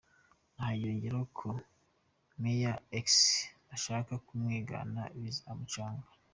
Aha yongeyeho ko Major X nashaka kumwigana `bizamucanga’.